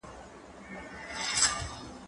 زه به سبا زدکړه کوم؟!